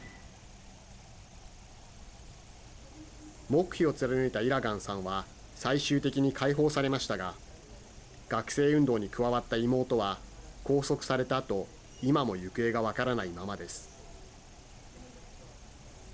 黙秘を貫いたイラガンさんは最終的に解放されましたが学生運動に加わった妹は拘束されたあと今も行方が分からないままです。